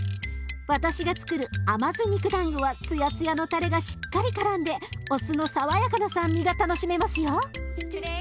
私がつくる甘酢肉だんごはツヤツヤのたれがしっかりからんでお酢の爽やかな酸味が楽しめますよ。